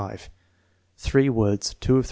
Three words, (8 of 3.